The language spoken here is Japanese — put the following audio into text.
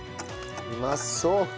うまそう。